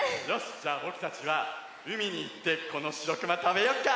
じゃあぼくたちはうみにいってこのしろくまたべよっか！